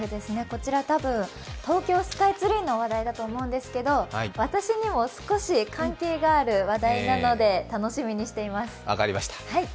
こちら多分、東京スカイツリーの話題だと思うんですけど、私にも少し関係がある話題なので楽しみにしています。